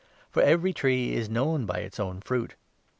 For every tree is 44 known by its own fruit.